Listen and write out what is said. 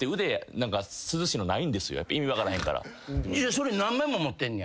それ何枚も持ってんねや？